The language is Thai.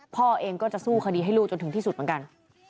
พ่อเองก็จะสู้คดีให้ลูกจนถึงที่สุดเหมือนกัน